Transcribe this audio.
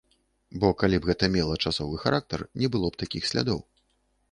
Бо калі б гэта мела часовы характар, не было б такіх слядоў.